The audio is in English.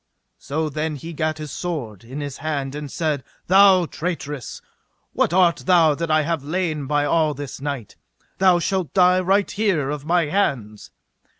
So then he gat his sword in his hand and said: Thou traitress, what art thou that I have lain by all this night? thou shalt die right here of my hands.